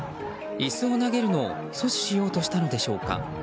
椅子を投げるのを阻止しようとしたのでしょうか。